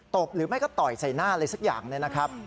บหรือไม่ก็ต่อยใส่หน้าอะไรสักอย่างเนี่ยนะครับ